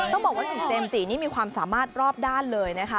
ต้องบอกว่าหนุ่มเจมส์จีนี่มีความสามารถรอบด้านเลยนะคะ